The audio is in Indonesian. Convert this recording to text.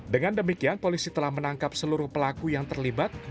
dengan demikian polisi telah menangkap seluruh pelaku yang terlibat dengan hukuman mati